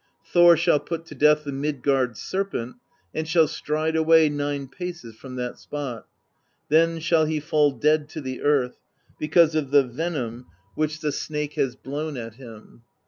Thor shall put to death the Midgard Serpent, and shall stride away nine paces from that spot; then shall he fall dead to the earth, because of the venom which the 8o PROSE EDDA Snake has blown at him.